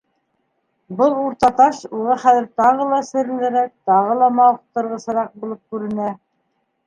Был Уртаташ уға хәҙер тағы ла серлерәк, тағы ла мауыҡтырғысыраҡ булып күренә.